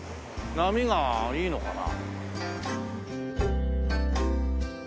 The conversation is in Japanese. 波がいいのかな？